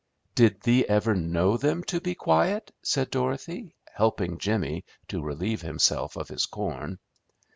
"Did thee ever know them to be quiet?" said Dorothy, helping Jimmy to relieve himself of his corn.